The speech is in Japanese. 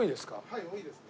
はい多いですね。